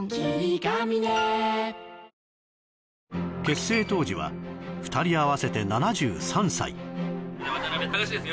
結成当時は２人あわせて７３歳渡辺隆です